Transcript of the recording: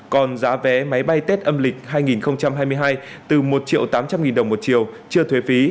còn giá vé máy bay tết âm lịch hai nghìn hai mươi hai từ một tám trăm linh đồng một chiều chưa thuế phí